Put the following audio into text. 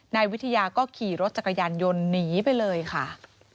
นายวิทยาก็ขี่รถจักรยานยนต์หนีไปเลยค่ะ